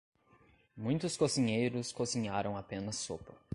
Muitos cozinheiros cozinharam apenas sopa.